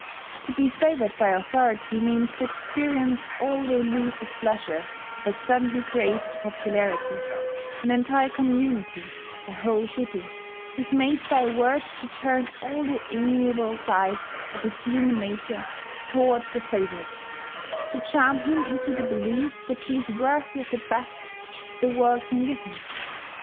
To be favoured by authority means to experience all the illusive pleasure of a suddenly created popularity: an entire community, a whole city, is made by a word to turn all the amiable side of its human nature toward the favourite, to charm him into the belief that he is worthy of the best that the world can give him.